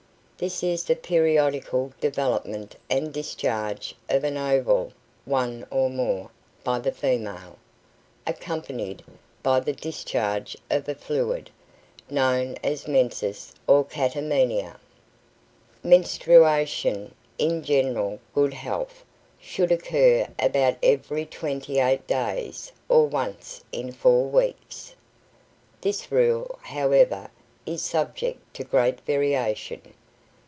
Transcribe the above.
This is the periodical development and discharge of an ovule (one or more) by the female, accompanied by the discharge of a fluid, known as menses or catamenia. Menstruation, in general good health, should occur about every twenty eight days, or once in four weeks. This rule, however, is subject to great variation.